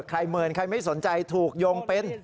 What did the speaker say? ใครเมินใครไม่สนใจถูกยงเป็น